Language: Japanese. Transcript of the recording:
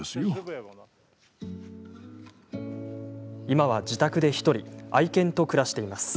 今は自宅で１人愛犬と暮らしています。